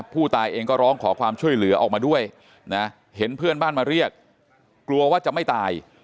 ผู้ตายเองก็ร้องขอความช่วยเหลือออกมาด้วยนะเห็นเพื่อนบ้านมาเรียกกลัวว่าจะไม่ตาย